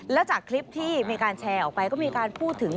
แล้วจากคลิปที่มีการแชร์ออกไปก็มีการพูดถึง